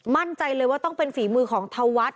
มั่นใจเลยว่าต้องเป็นฝีมือของธวัฒน์